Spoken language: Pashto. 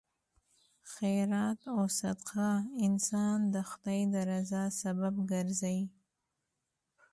خیرات او صدقه انسان د خدای د رضا سبب ګرځي.